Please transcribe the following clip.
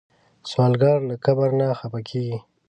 سوالګر له کبر نه خفه کېږي